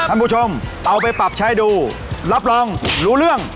ท่านผู้ชมเอาไปปรับใช้ดูรับรองรู้เรื่อง